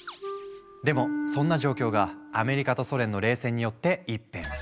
でもそんな状況がアメリカとソ連の冷戦によって一変。